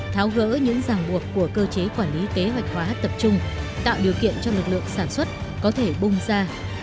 tháo gỡ những ràng buộc của cơ chế quản lý kế hoạch hóa tập trung tạo điều kiện cho lực lượng sản xuất có thể bung ra